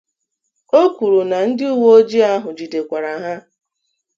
O kwuru na ndị uweojii ahụ jidekwara ha